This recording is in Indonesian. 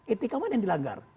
etika mana yang dilanggar